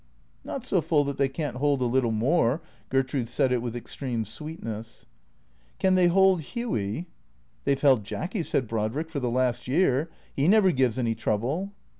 " Not so full that they can't hold a little more." Gertrude said it with extreme sweetness. "Can they hold Hughy?" " They 've held Jacky," said Brodrick, " for the last year. He never gives any trouble."